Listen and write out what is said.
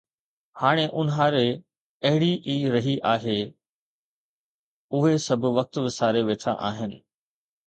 هاڻي اونهاري اهڙي ئي رهي آهي، اهي سڀ وقت وساري ويٺا آهن